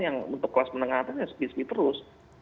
yang untuk kelas menengah atasnya speed speed terus